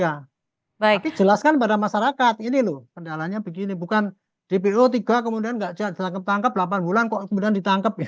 berarti jelaskan pada masyarakat ini loh kendalanya begini bukan dpo tiga kemudian tidak ditangkap tangkap delapan bulan kok kemudian ditangkap